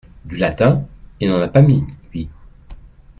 Du latin !… il n’en a pas mis, lui !